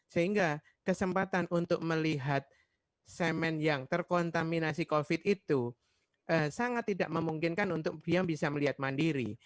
sehingga kesempatan untuk melihat semen yang terkontaminasi covid itu sangat tidak memungkinkan untuk diam bisa melihat mandiri